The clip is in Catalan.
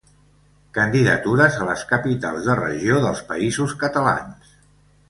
Candidatures a les capitals de regió dels Països Catalans.